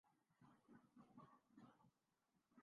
یہ ایک صاحب علم کا تجزیہ ہے۔